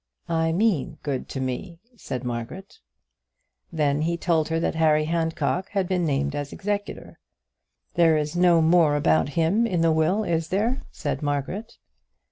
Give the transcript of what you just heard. "I mean good to me," said Margaret. Then he told her that Harry Handcock had been named as executor. "There is no more about him in the will, is there?" said Margaret.